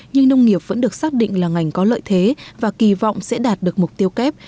nhưng nông nghiệp vẫn được xác định là ngành có lợi thế và kỳ vọng sẽ đạt được mục tiêu kép